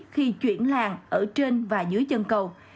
khi chuyển làng ở trên và dưới chân cầu